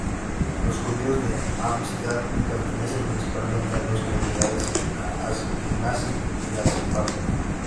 Los judíos de Hampstead pertenecen principalmente a dos comunidades, la askenazí y la sefardí.